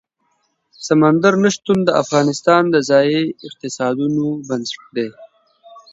سمندر نه شتون د افغانستان د ځایي اقتصادونو بنسټ دی.